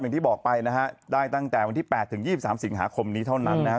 อย่างที่บอกไปนะฮะได้ตั้งแต่วันที่๘ถึง๒๓สิงหาคมนี้เท่านั้นนะครับ